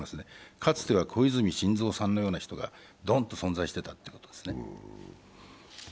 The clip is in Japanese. かつては小泉さんのような人がドンと存在していたということですね。